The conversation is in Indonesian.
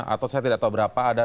atau saya tidak tahu berapa